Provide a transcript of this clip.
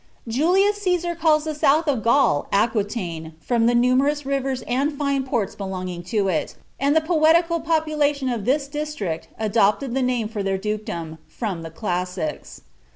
Julius Csesar calls the south of Gaul, Aquitaine, from the numerous rivers and fine ports belonging to it; and the poetical population of this district adopted the name for their dukedom, from the classics.